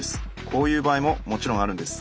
こういう場合ももちろんあるんです。